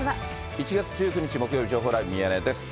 １月１９日木曜日、情報ライブミヤネ屋です。